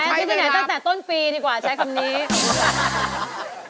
หลายอาทิตย์ที่ไหนตั้งแต่ต้นปีดีกว่าใช้คำนี้